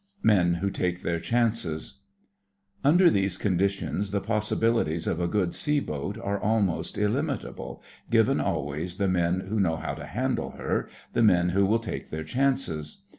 MEN WHO TAKE THEIR CHANCES Under these conditions the possibilities of a good sea boat are almost illimitable, given always the men who know how to handle her—the men who will take their chances.